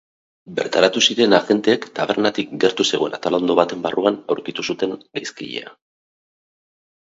Bertaratu ziren agenteek tabernatik gertu zegoen atalondo baten barruan aurkitu zuten gaizkilea.